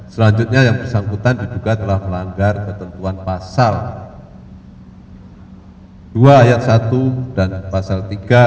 selanjutnya yang bersangkutan diduga telah melanggar ketentuan pasal dua ayat satu dan pasal tiga